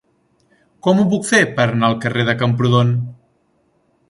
Com ho puc fer per anar al carrer de Camprodon?